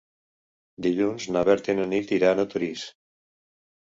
Dilluns na Berta i na Nit iran a Torís.